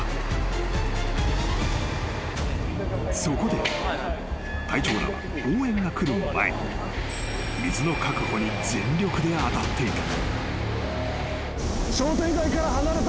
［そこで隊長らは応援が来る前に水の確保に全力で当たっていた］